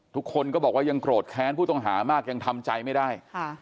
ทุกคนก็บอกว่ายังโกรธแค้นผู้ต้องหามากยังทำใจไม่ได้